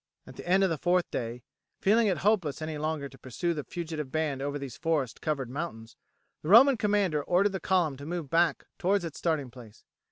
At the end of the fourth day, feeling it hopeless any longer to pursue the fugitive band over these forest covered mountains, the Roman commander ordered the column to move back towards its starting place.